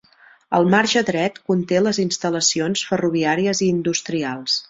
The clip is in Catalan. El marge dret conté les instal·lacions ferroviàries i industrials.